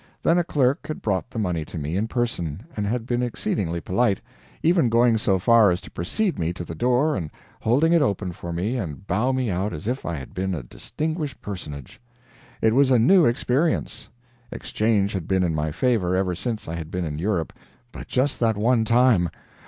Then a clerk had brought the money to me in person, and had been exceedingly polite, even going so far as to precede me to the door and holding it open for me and bow me out as if I had been a distinguished personage. It was a new experience. Exchange had been in my favor ever since I had been in Europe, but just that one time.